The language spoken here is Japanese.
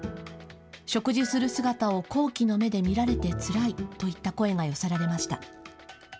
食事する姿を好奇の目で見られてつらいといった声が寄せられました。